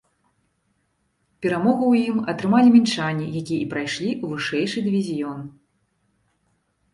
Перамогу ў ім атрымалі мінчане, якія і прайшлі ў вышэйшы дывізіён.